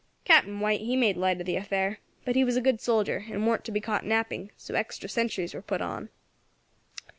Captain White he made light of the affair; but he was a good soldier, and warn't to be caught napping, so extra sentries were put on.